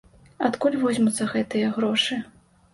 Адкуль возьмуцца гэтыя грошы?